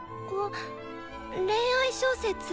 恋愛小説？